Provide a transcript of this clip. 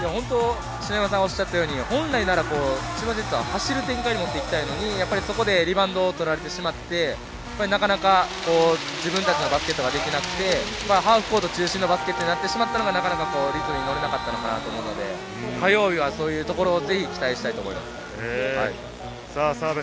篠山さんがおっしゃったように、本来なら千葉ジェッツは走る展開に持っていきたいのに、そこでリバウンドを取られてしまって、なかなか自分たちのバスケットができなくて、ハーフコート中心のバスケットになってしまったのが、リズムに乗れなかったのかなと思いますので、火曜日はそういうところをぜひ期待したいと思います。